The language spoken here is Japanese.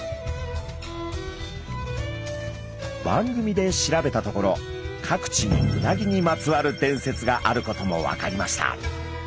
番組で調べたところ各地にうなぎにまつわる伝説があることも分かりました。